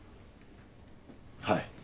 はい。